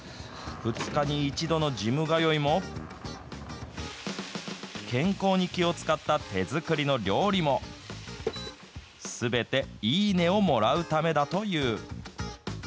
２日１度のジム通いも、健康に気を遣った手作りの料理も、すべていいねをもらうためだという。